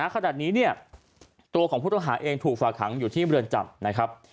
ขณะนี้ตัวของผู้ต้องหาเองถูกฝาขังอยู่ที่เบือนจำ